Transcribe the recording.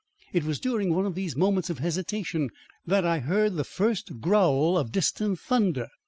It was during one of these moments of hesitation that I heard the first growl of distant thunder.